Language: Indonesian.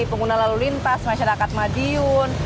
pengguna lalu lintas masyarakat madiun